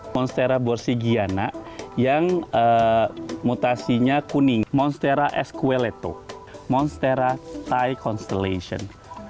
monstera borsigiana yang mutasinya kuning monstera esqueleto monstera thai constelation